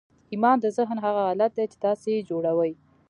ایمان د ذهن هغه حالت دی چې تاسې یې جوړوئ